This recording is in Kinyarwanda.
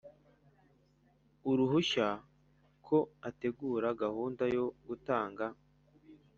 Uruhushya ko ategura gahunda yo gutanga